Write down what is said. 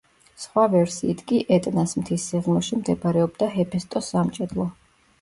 სხვა ვერსიით კი ეტნას მთის სიღრმეში მდებარეობდა ჰეფესტოს სამჭედლო.